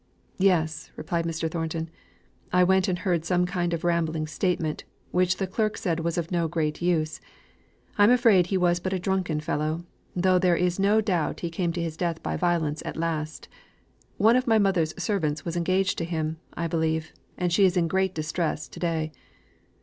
"Yes," replied Mr. Thornton. "I went and heard some kind of a rambling statement, which the clerk said was of no great use. I'm afraid he was but a drunken fellow, though there is no doubt he came to his death by violence at last. One of my mother's servants was engaged to him, I believe, and she is in great distress to day.